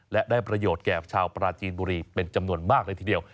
และได้ประโยชน์แก่ชาวปราจีนบุรีเป็นจำนวนมากเลยทีเดียว